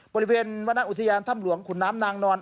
บริเวณวรรณอุทยานถ้ำหลวงขุนน้ำนางนอน